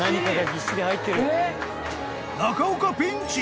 ［中岡ピンチ！